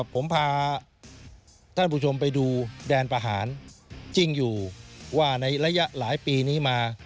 ผมพาท่านผู้ชมไปดูแดนประหารจริงอยู่ว่าในระยะหลายปีนี้มา